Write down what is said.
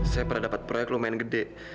saya pernah dapat proyek lumayan gede